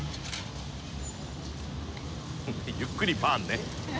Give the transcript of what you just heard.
ゆっくりパーンね。